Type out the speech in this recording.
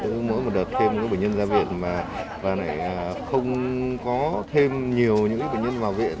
cho nên là mỗi một đợt thêm bệnh nhân ra viện và lại không có thêm nhiều những bệnh nhân vào viện